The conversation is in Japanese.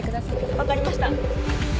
分かりました。